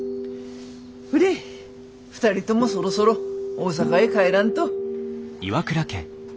ほれ２人ともそろそろ大阪へ帰らんと。